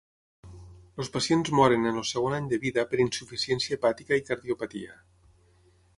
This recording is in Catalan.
Els pacients moren en el segon any de vida per insuficiència hepàtica i cardiopatia.